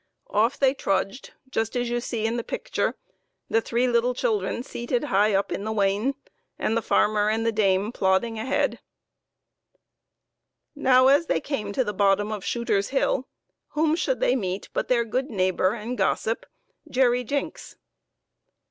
Off they trudged, just as you see in the picture, the three little children seated high up in the wain, and the farmer and the dame plodding ahead. 82 PEPPER AND SALT. Now, as they came to the bottom of Shooter's Hill, whom should they meet but their good neighbor and gossip, Jerry Jinks.